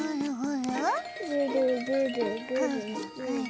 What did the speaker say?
ぐるぐるぐるぐる。